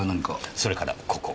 それからここ。